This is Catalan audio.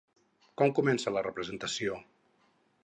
Com comença la representació?